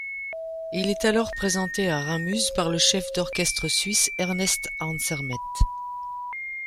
Il est alors présenté à Ramuz par le chef d'orchestre suisse Ernest Ansermet.